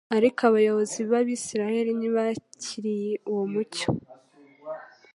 Ariko abayobozi b’Abisiraheli ntibakiriye uwo mucyo